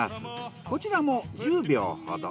こちらも１０秒ほど。